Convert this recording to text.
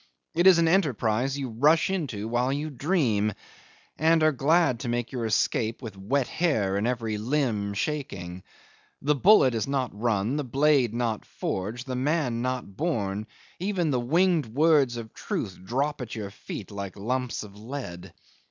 It is an enterprise you rush into while you dream, and are glad to make your escape with wet hair and every limb shaking. The bullet is not run, the blade not forged, the man not born; even the winged words of truth drop at your feet like lumps of lead.